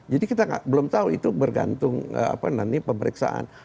kita belum tahu itu bergantung nanti pemeriksaan